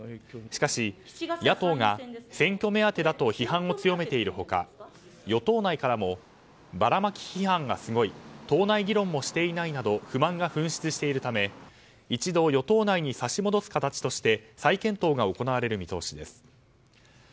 しかし、野党が選挙目当てだと批判を強めている他与党内からもばらまき批判がすごい党内議論もしていないなど不満が噴出しているため一度与党内に差し戻す形として再検討が行われる見通しです。